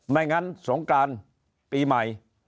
ไม่งั้นสงการปีใหม่